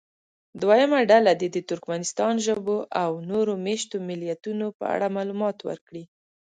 دویمه ډله دې د ترکمنستان ژبو او نورو مېشتو ملیتونو په اړه معلومات ورکړي.